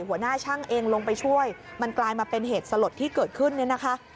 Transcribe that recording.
หัวหน้าช่างเองลงไปช่วยมันกลายมาเป็นเหตุสลดที่เกิดขึ้นเนี่ยนะคะ